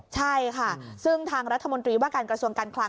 ใช่ค่ะซึ่งทางรัฐมนตรีว่าการกระทรวงการคลัง